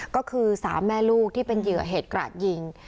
ก็คือ๓แม่ลูกที่เป็นเหยื่อเหตุกราดยิง